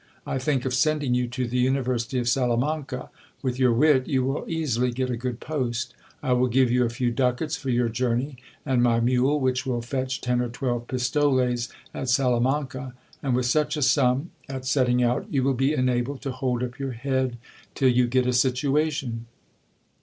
I think of sending you to the university of Salamanca : with your wit you will easily get a good post. I will give you a few ducats for your journey, and my mule, which will fetch ten or twelve pistoles at Salamanca, and with such a sum at setting out, you will be enabled to hold up your head till you get a situation.